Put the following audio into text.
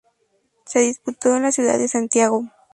Se disputó en la ciudad de Santiago.